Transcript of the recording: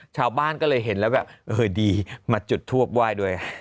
ชาวบ้านก็เลยเห็นแล้วแบบดีมาจุดทูปไหว้ด้วย